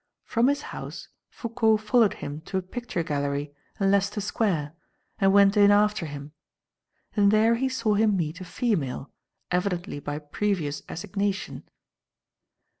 From his house, Foucault followed him to a picture gallery in Leicester Square and went in after him; and there he saw him meet a female, evidently by a previous assignation.